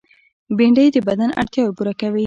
بېنډۍ د بدن اړتیاوې پوره کوي